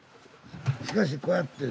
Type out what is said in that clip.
しかしこうやって。